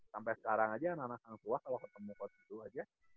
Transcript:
sampai sekarang aja anak anak hang tua kalau ketemu coach bedu aja